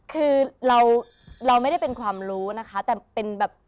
คือเราเราไม่ได้เป็นความรู้นะคะแต่เป็นแบบ